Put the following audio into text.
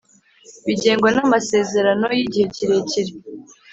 bigengwa namasezerano yigihe kirekire